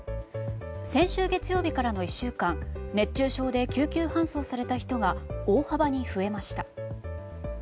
先週月曜日からの１週間熱中症で救急搬送された人が大幅に増えました。